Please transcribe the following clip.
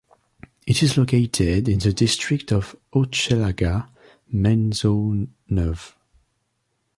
It is located in the district of Hochelaga-Maisonneuve.